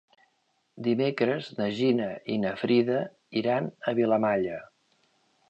Dimecres na Gina i na Frida iran a Vilamalla.